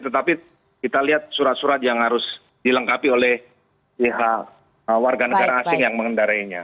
tetapi kita lihat surat surat yang harus dilengkapi oleh pihak warga negara asing yang mengendarainya